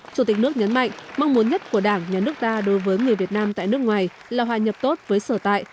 chủ tịch nước nhấn mạnh mong muốn nhất của đảng nhà nước ta đối với người việt nam tại nước ngoài là hòa nhập tốt với sở tại